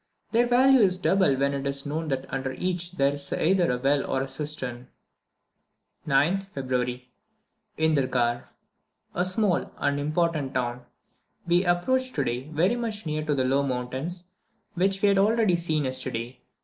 Their value is doubled when it is known that under each there is either a well or a cistern. 9th February. Indergur, a small, unimportant town. We approached today very much nearer to the low mountains which we had already seen yesterday.